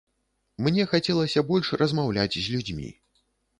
Мне хацелася больш размаўляць з людзьмі.